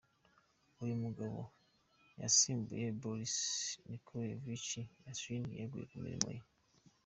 Uyu mugabo yasimbuye Boris Nikolayevich Yeltsin weguye ku mirimo ye.